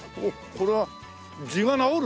これは痔が治るな。